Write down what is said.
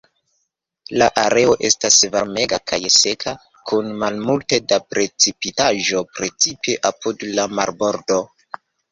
La areo estas varmega kaj seka kun malmulte da precipitaĵo, precipe apud la marbordo.